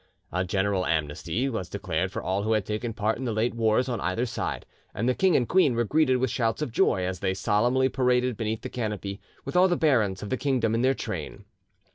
A general amnesty was declared for all who had taken part in the late wars on either side, and the king and queen were greeted with shouts of joy as they solemnly paraded beneath the canopy, with all the barons of the kingdom in their train.